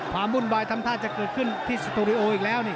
วุ่นวายทำท่าจะเกิดขึ้นที่สตูดิโออีกแล้วนี่